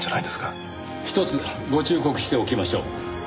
ひとつご忠告しておきましょう。